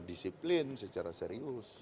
disiplin secara serius